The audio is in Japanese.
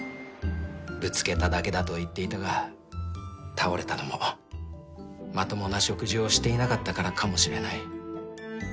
ぶつけただけだと言っていたが倒れたのもまともな食事をしていなかったからかもしれない。